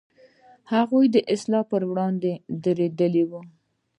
هغوی د اصلاح پر وړاندې درېدلي و.